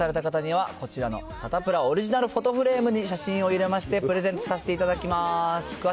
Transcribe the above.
採用された方にはこちらの、サタプラオリジナルフォトフレームにお写真を入れましてプレゼントさせていただきます。